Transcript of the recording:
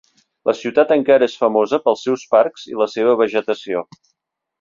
La ciutat encara és famosa pels seus parcs i la seva vegetació.